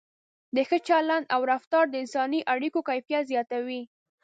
د ښه چلند او رفتار د انساني اړیکو کیفیت زیاتوي.